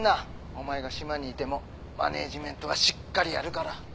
お前が島にいてもマネジメントはしっかりやるから。